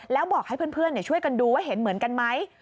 แล้วบอกให้เพื่อนช่วยกันดูว่าเห็นเหมือนกันไหม